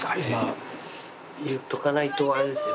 言っておかないとあれですよ。